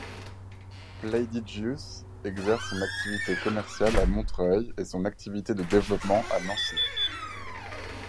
Playdigious exerce son activité commerciale à Montreuil et son activité de développement à Nancy.